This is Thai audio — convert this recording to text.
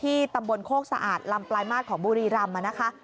ที่แต่วันนี้ทำบลโค้กสะอาดลำปลายมาตรของบุรีรำ